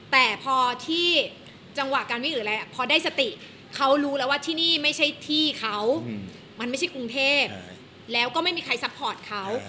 แต่พอที่จังหวะการวิ่งหรืออะไรพอได้สติเขารู้แล้วว่าที่นี่ไม่ใช่ที่เขามันไม่ใช่กรุงเทพแล้วก็ไม่มีใครซัพพอร์ตเขา